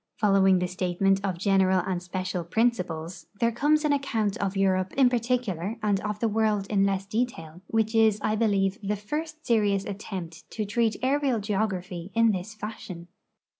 Following the statement of general and special principles, there comes an account of Europe in particular and of the world in less detail, which is, I believe, the first serious attempt to treat areal geography in this fashion.